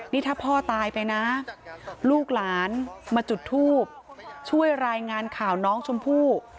นี่ถ้าพ่อตายไปนะลูกหลานมาจุดทูบช่วยรายงานข่าวน้องชมพู่